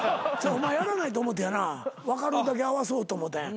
お前やらないと思ってやな分かる？だけ合わそうと。